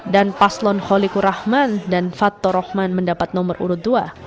dan paslon holiku rahman dan fattor rahman mendapat nomor urut dua